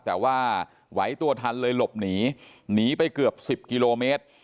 แต่ว่าไหวตัวทันเลยหลบหนีหนีไปเกือบ๑๐กิโลเมตร